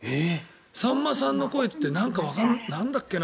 さんまさんの声ってなんだっけな。